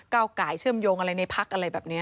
ไก่เชื่อมโยงอะไรในพักอะไรแบบนี้